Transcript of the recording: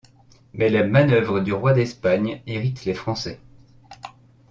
Mais les manœuvres du roi d'Espagne irritent les Français.